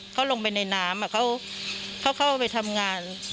เขาลงในน้ำเข้าไปทำงาน